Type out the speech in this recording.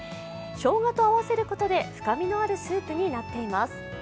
しょうがと合わせることで深みのあるスープになっています。